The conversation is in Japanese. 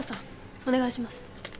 お願いします